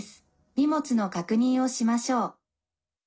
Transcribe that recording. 荷物の確認をしましょう」。